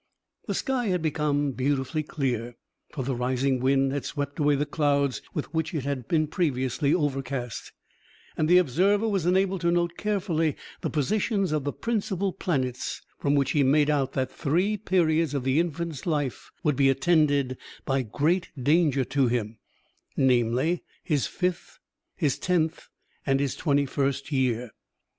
The sky had become beautifully clear, for the rising wind had swept away the clouds with which it had been previously overcast, and the observer was enabled to note carefully the positions of the principal planets, from which he made out that three periods of the infant's life would be attended by great danger to him, namely, his fifth, his tenth, and his twenty first year.